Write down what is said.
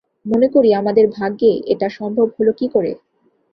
মনে করি আমাদের ভাগ্যে এটা সম্ভব হল কী করে?